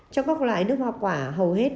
trong góc loại nước hoa quả hầu hết